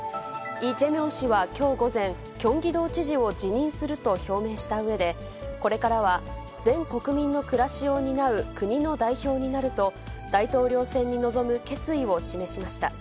イ・ジェミョン氏はきょう午前、キョンギ道知事を辞任すると表明したうえで、これからは全国民の暮らしを担う国の代表になると、大統領選に臨む決意を示しました。